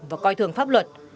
và coi thường pháp luật